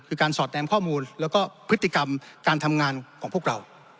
คือการสอดแนมข้อมูลแล้วก็พฤติกรรมการทำงานของพวกเรา